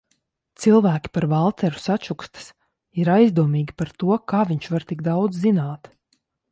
Cilvēki par Valteru sačukstas, ir aizdomīgi par to, kā viņš var tik daudz zināt.